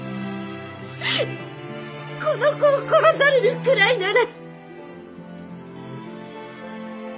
この子を殺されるくらいなら。